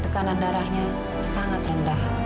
tekanan darahnya sangat rendah